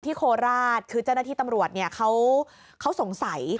โคราชคือเจ้าหน้าที่ตำรวจเนี่ยเขาสงสัย